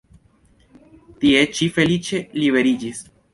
Tie ŝi feliĉe liberiĝis.